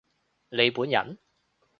你本人？